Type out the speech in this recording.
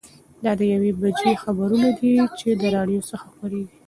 دا د یوې بجې خبرونه دي چې له راډیو څخه خپرېږي.